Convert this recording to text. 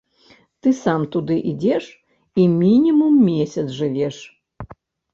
Ты сам туды ідзеш і мінімум месяц жывеш.